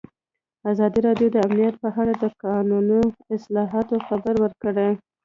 ازادي راډیو د امنیت په اړه د قانوني اصلاحاتو خبر ورکړی.